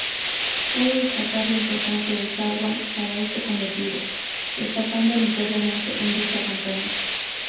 Cabe destacar la importancia de Sawa para este cometido, destacando notoriamente en dicha campaña.